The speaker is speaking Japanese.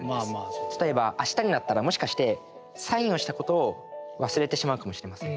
例えば明日になったらもしかしてサインをしたことを忘れてしまうかもしれません。